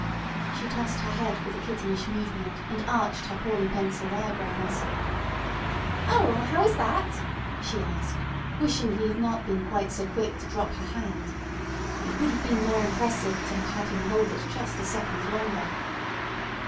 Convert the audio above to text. She tossed her head with a kittenish movement, and arched her poorly pencilled eyebrows. "O, how is that?" she asked, wishing he had not been quite so quick to drop her hand. It would have been more impressive to have had him hold it just a second longer.